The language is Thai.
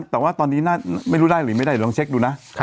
แต่ว่าตอนนี้ไม่รู้ได้หรือไม่ได้เดี๋ยวลองเช็คดูนะ